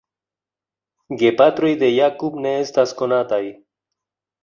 Gepatroj de Jakub ne estas konataj.